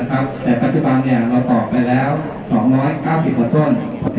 แต่ปัจจุบันเราต่อไปแล้ว๒๙๐ต้นเร็วกว่าแผน๘